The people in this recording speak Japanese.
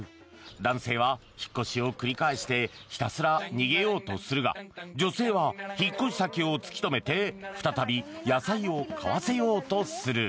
男性は引っ越しを繰り返してひたすら逃げようとするが女性は引っ越し先を突き止めて再び野菜を買わせようとする。